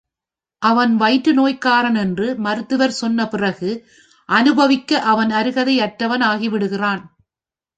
அவன் வயிற்றுநோய்க்காரன் என்று மருத்துவர் சொன்ன பிறகு அனுபவிக்க அவன் அருகதை அற்றவன் ஆகி விடுகிறான்.